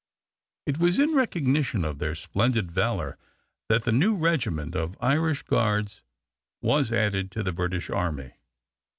It was in recognition of their splendid valor that the new regiment of Irish Guards was added to the British Army.